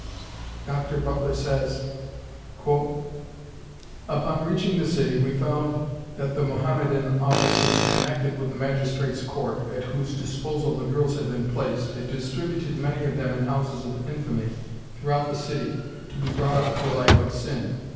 Dr. Butler says: "Upon reaching the city we found that the Mohammedan officers connected with the magistrate's court, at whose disposal the girls had been placed, had distributed many of them in houses of infamy throughout the city to be brought up to a life of sin.